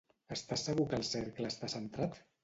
Estàs segur que el cercle està centrat?